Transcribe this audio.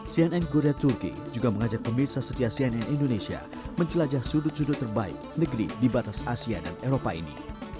cnn korea turki juga mengajak pemirsa setia cnn indonesia menjelajah sudut sudut terbaik negeri di batas asia dan eropa ini